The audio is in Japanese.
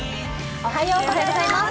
おはようございます。